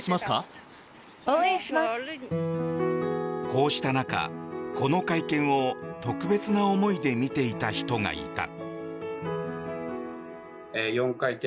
こうした中、この会見を特別な思いで見ていた人がいた。